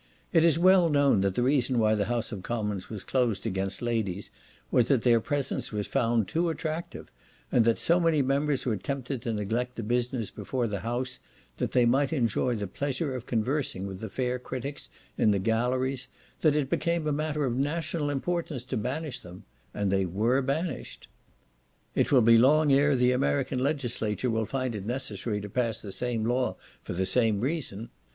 It is well known that the reason why the House of Commons was closed against ladies was, that their presence was found too attractive, and that so many members were tempted to neglect the business before the House, that they might enjoy the pleasure of conversing with the fair critics in the galleries, that it became a matter of national importance to banish them—and they were banished. It will be long ere the American legislature will find it necessary to pass the same law for the same reason.